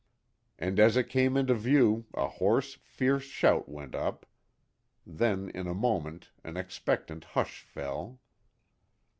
And as it came into view a hoarse, fierce shout went up. Then, in a moment, an expectant hush fell.